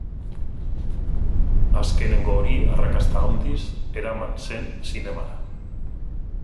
Azkeneko hori arrakasta handiz eraman zen zinemara.